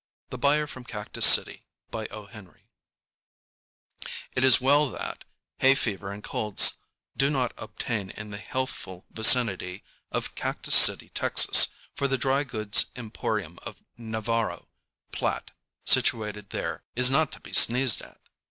THE BUYER FROM CACTUS CITY It is well that hay fever and colds do not obtain in the healthful vicinity of Cactus City, Texas, for the dry goods emporium of Navarro & Platt, situated there, is not to be sneezed at.